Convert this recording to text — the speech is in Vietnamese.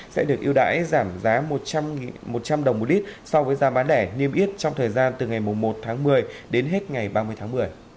sẽ được ưu đãi giảm giá một trăm linh đồng một lít so với giá bán đẻ niêm yết trong thời gian từ ngày mùng một tháng một mươi đến hết ngày ba mươi tháng một mươi